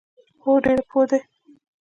هو، ډیر پوه دي